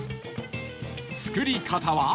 作り方は